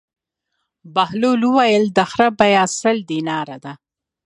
بهلول وویل: د خر بېه سل دیناره ده.